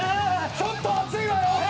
ちょっと熱いわよ！